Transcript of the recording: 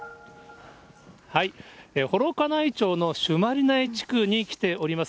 幌加内町の朱鞠内地区に来ております。